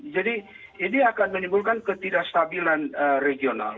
jadi ini akan menimbulkan ketidakstabilan regional